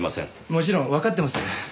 もちろんわかってます。